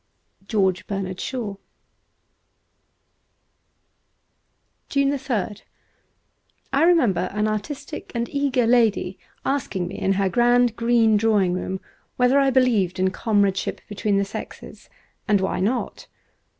' George Bernard, Shazo.^ 170 JUNE 3rd I REMEMBER an artistic and eager lady asking me, in her grand green drawing room, whether I believed in comradeship between the sexes, and why not.